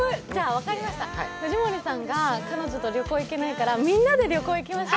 藤森さんが彼女と旅行に行けないから、みんなで旅行、行きましょう。